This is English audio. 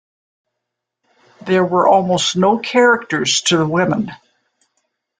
There were almost no characters to the women.